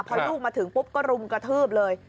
พอลูกมาถึงปุ๊บก็รุมกระทืบเลย